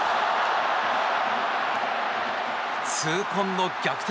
痛恨の逆転